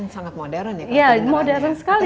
sangat modern ya modern sekali